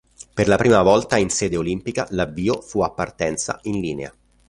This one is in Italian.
Per la prima volta in sede olimpica l'avvio fu a partenza in linea.